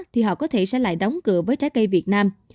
thì họ có thể sẽ lại đóng cửa với trái cây việt nam